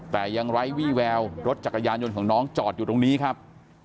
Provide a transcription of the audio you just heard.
แต่ยังไร้วี่แววรถจักรยานยนต์ของน้องจอดอยู่ตรงนี้ครับ